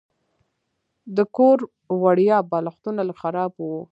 د کور وړیا بالښتونه لږ خراب وو.